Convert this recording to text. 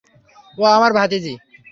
ও আমার ভাতিজি।